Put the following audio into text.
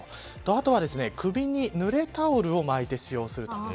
あとは首にぬれタオルを巻いて使用すると。